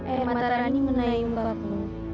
air mata rani menayangkan muka ku